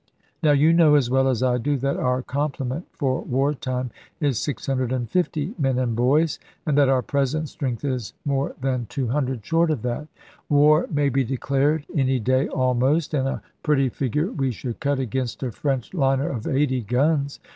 Now you know as well as I do, that our complement for war time is 650 men and boys, and that our present strength is more than 200 short of that. War may be declared any day almost, and a pretty figure we should cut against a French liner of 80 guns.